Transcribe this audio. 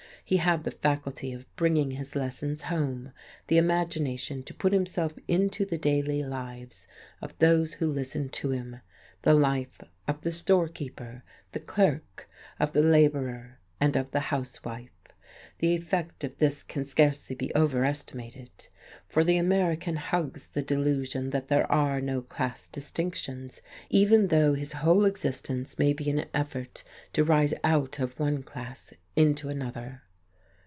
He had the faculty of bringing his lessons home, the imagination to put himself into the daily life of those who listened to him, the life of the storekeeper, the clerk, of the labourer and of the house wife. The effect of this can scarcely be overestimated. For the American hugs the delusion that there are no class distinctions, even though his whole existence may be an effort to rise out of once class into another.